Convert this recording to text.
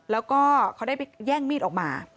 แล้วก็เขาได้ไปแย่งมีดออกมา